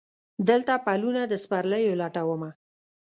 دلته پلونه د سپرلیو لټومه